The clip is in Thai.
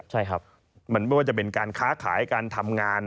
ไม่ว่าจะเป็นการค้าขายการทำงาน